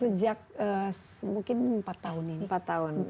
sejak mungkin empat tahun ini